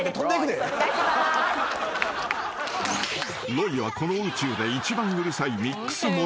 ［ロイはこの宇宙で一番うるさいミックスモデル］